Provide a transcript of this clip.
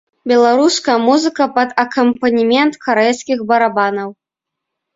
Беларуская музыка пад акампанемент карэйскіх барабанаў.